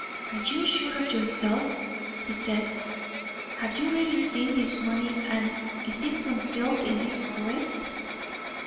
"Are you sure of yourself?" he said. "Have you really seen this money and is it concealed in this forest?"